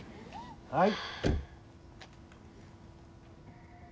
はい。